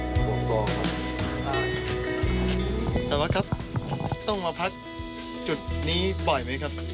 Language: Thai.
สัมมาครับต้องมาพักจุดนี้บ่อยไหมครับ